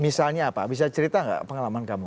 misalnya apa bisa cerita nggak pengalaman kamu